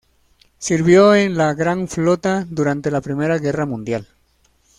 Sirvió en la gran flota durante la Primera Guerra mundial.